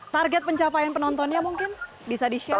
target pencapaian penontonnya mungkin bisa di share